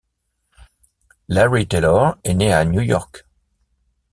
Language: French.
Larry Taylor est né à New York.